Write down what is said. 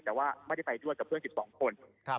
แต่ว่าไม่ได้ไปด้วยกับเพื่อน๑๒คน